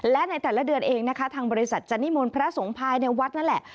และในแต่ละเดือนเองนะคะทางบริษัทจะนิมนต์พระสงฆ์ภายในวัดนั่นแหละ